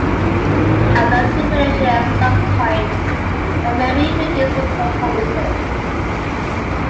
I'd love to finish it at some point and maybe even do some performances.